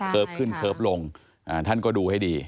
เกิบขึ้นเกิบลงท่านก็ดูให้ดี